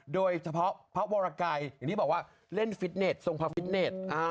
โดยเฉพาะพระวรกัยอย่างที่บอกว่าเล่นฟิตเน็ตทรงพระฟิตเน็ต